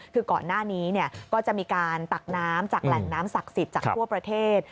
คือก่อนหน้านี้ก็จะมีการตักน้ำจากแหล่งน้ำศักดิ์สิทธิ์จากทั่วประเทศ